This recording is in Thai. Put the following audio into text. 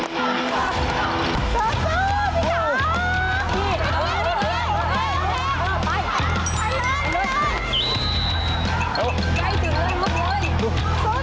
สู้พี่สาว